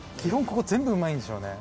ここ全部うまいんでしょうね。